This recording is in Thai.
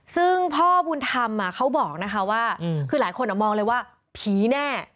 ซึ่งพ่อบุญธรรมเขาบอกนะคะว่าคือหลายคนมองเลยว่าผีแน่